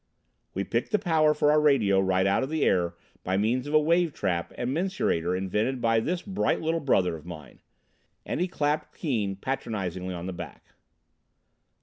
We pick the power for our radio right out of the air by means of a wave trap and mensurator invented by this bright little brother of mine," and he clapped Keane patronizingly on the back.